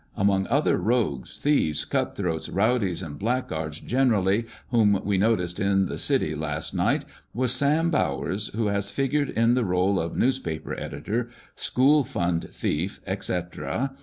Among other rogues, thieves, cut throats, rowdies, and blackguards generally, whom we noticed in the city last night was Sam Bowers, who has figured in the role of newspaper editor, school fund thief, etcetera.